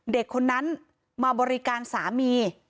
เด็กคนนั้นมาบริการสามี